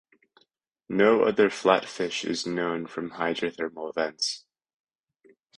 No other flatfish is known from hydrothermal vents.